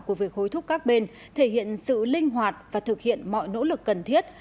của việc hối thúc các bên thể hiện sự linh hoạt và thực hiện mọi nỗ lực cần thiết